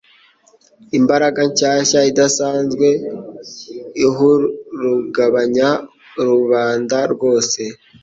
Imbaraga nshyashya idasanzwe ihurugabanya rubanda rwose.